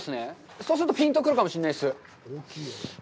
そうすると、ぴんとくるかもしれないです。